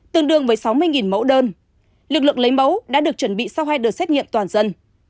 tương đương với sáu mươi mẫu đơn lực lượng lấy mẫu đã được chuẩn bị sau hai đợt xét nghiệm toàn dân